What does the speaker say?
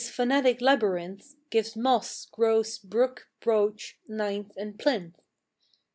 This phonetic labyrinth Gives moss, gross, brook, brooch, ninth, plinth.